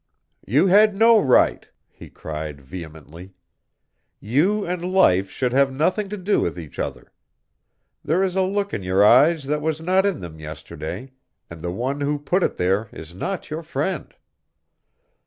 "You had no right!" he cried, vehemently. "You and life should have nothing to do with each other. There is a look in your eyes that was not in them yesterday, and the one who put it there is not your friend."